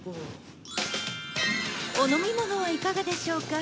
お飲み物はいかがでしょうか？